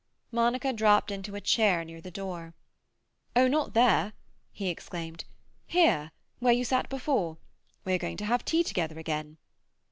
Monica dropped into a chair near the door. "Oh, not there!" he exclaimed. "Here, where you sat before. We are going to have tea together again."